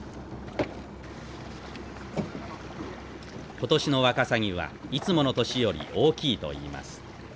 今年のワカサギはいつもの年より大きいといいます。